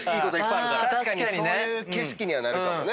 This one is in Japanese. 確かにそういう景色にはなるかもね。